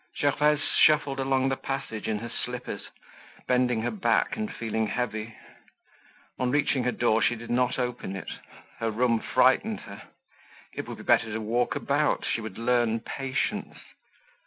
Gervaise shuffled along the passage in her slippers, bending her back and feeling heavy. On reaching her door she did not open it—her room frightened her. It would be better to walk about, she would learn patience.